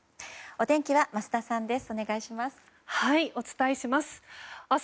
お天気は桝田さんです。